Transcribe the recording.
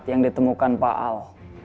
yang ditemukan pak al